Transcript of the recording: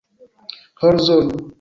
horzono